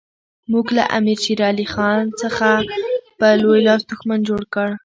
موږ له امیر شېر علي خان څخه په لوی لاس دښمن جوړ کړ.